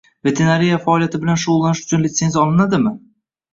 Veterinariya faoliyati bilan shug’ullanish uchun litsenziya olinadimi?